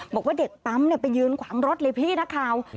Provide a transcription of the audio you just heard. บอกว่าเด็กปั๊มไปยืนขวางรถเลยพี่นักข่าว